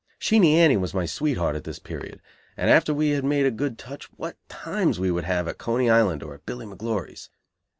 Sheenie Annie was my sweetheart at this period, and after we had made a good touch what times we would have at Coney Island or at Billy McGlory's!